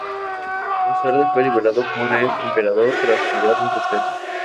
Más tarde fue liberado por el Emperador tras pagar un rescate.